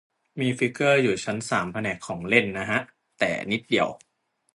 มีฟิกเกอร์อยู่ชั้นสามแผนกของเล่นนะฮะ แต่นิดเดียว